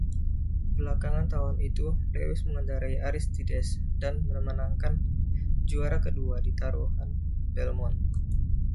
Belakangan tahun itu, Lewis mengendarai Aristides dan memenangkan juara kedua di Taruhan Belmont.